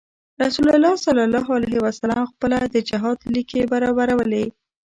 رسول الله صلی علیه وسلم خپله د جهاد ليکې برابرولې.